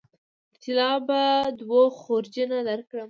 د طلا به دوه خورجینه درکړم تاته